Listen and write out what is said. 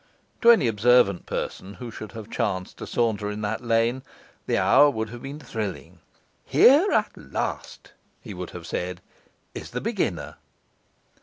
To any observant person who should have chanced to saunter in that lane, the hour would have been thrilling. 'Here at last,' he would have said, 'is the beginner.